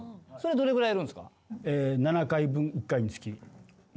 どれぐらいやるんすか？